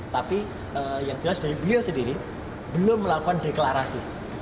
tapi yang jelas dari beliau sendiri belum melakukan deklarasi